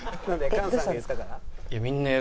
菅さんが言ったから？」。